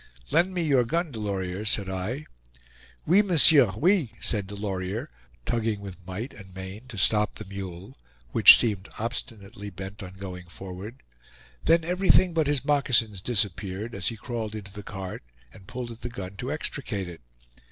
"Lend me your gun, Delorier," said I. "Oui, monsieur, oui," said Delorier, tugging with might and main to stop the mule, which seemed obstinately bent on going forward. Then everything but his moccasins disappeared as he crawled into the cart and pulled at the gun to extricate it.